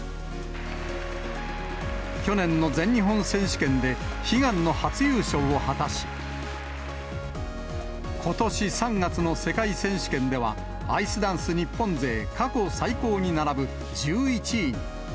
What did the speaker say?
去年の全日本選手権で、悲願の初優勝を果たし、ことし３月の世界選手権では、アイスダンス日本勢過去最高に並ぶ１１位に。